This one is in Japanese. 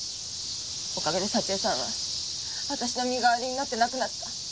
おかげで沙知絵さんは私の身代わりになって亡くなった。